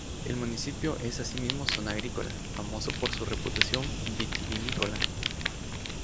El municipio es asimismo zona agrícola, famoso por su reputación vitivinícola.